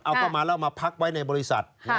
เอาเข้ามาแล้วมาพักไว้ในบริษัท